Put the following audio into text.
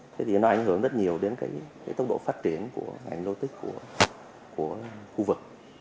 thế thì nó ảnh hưởng rất nhiều đến cái tốc độ phát triển của ngành logistics của khu vực